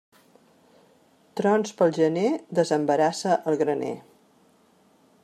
Trons pel gener, desembarassa el graner.